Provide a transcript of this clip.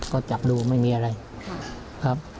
ก็จับดูไม่มีอะไรครับ